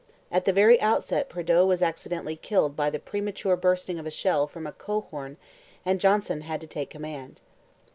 At the very outset Prideaux was accidentally killed by the premature bursting of a shell from a coehorn and Johnson had to take command.